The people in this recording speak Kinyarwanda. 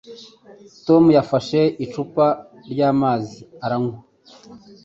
Tom yafashe icupa ryamazi aranywa.